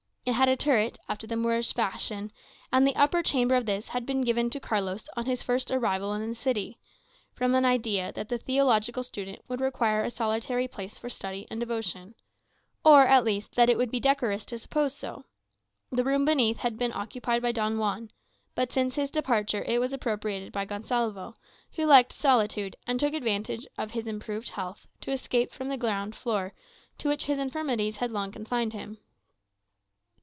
It had a turret, after the Moorish fashion, and the upper chamber of this had been given to Carlos on his first arrival in the city; from an idea that the theological student would require a solitary place for study and devotion, or, at least, that it would be decorous to suppose so. The room beneath had been occupied by Don Juan, but since his departure it was appropriated by Gonsalvo, who liked solitude, and took advantage of his improved health to escape from the ground floor, to which his infirmities had long confined him.